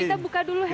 kita buka dulu happy